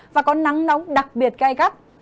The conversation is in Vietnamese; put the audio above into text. và có nắng nóng đặc biệt gây gắt